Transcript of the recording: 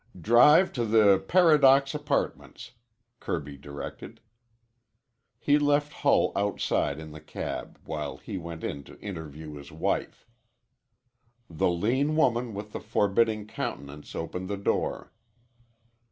"Drive to the Paradox Apartments," Kirby directed. He left Hull outside in the cab while he went in to interview his wife. The lean woman with the forbidding countenance opened the door.